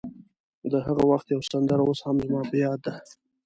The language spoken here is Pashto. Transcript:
د هغه وخت یوه سندره اوس هم زما په یاد ده.